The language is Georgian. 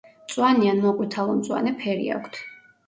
მწვანე ან მოყვითალო-მწვანე ფერი აქვთ.